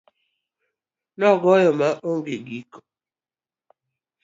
Nogoyo maong'e giko.